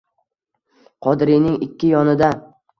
Qodiriyning ikki yonida.